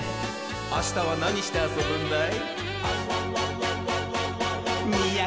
あしたはなにしてあそぶんだい？